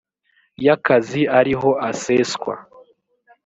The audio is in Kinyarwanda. y akazi ariho aseswa